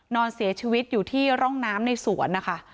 นอนเสียชีวิตอยู่ที่ร่องน้ำในสวนนะคะ